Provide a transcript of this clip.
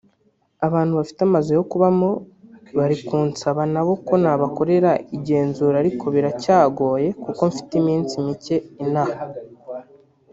Abantu bafite amazu yo kubamo bari kunsaba nabo ko nabakorera igenzura ariko biracyagoye kuko mfite iminsi mike inaha